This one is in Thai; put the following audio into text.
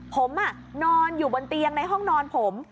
ผมนอนอยู่บนเตียงในห้องนอนผม